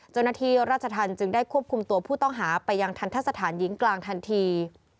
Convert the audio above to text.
เจ้าหน้าที่ราชธรรมจึงได้ควบคุมตัวผู้ต้องหาไปยังทันทะสถานหญิงกลางทันที